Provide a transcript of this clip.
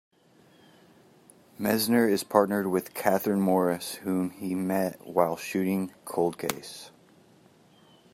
Messner is partnered with Kathryn Morris, whom he met while shooting "Cold Case".